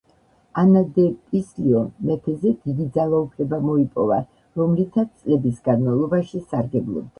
ანა დე პისლიომ მეფეზე დიდი ძალაუფლება მოიპოვა, რომლითაც წლების განმავლობაში სარგებლობდა.